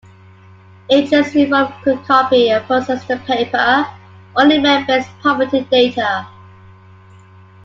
Agents involved could copy and process the paper- or email-based property data.